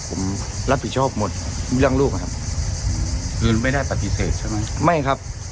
ผมรับผิดชอบหมดทุกเรื่องลูกนะครับคือไม่ได้ปฏิเสธใช่ไหมไม่ครับ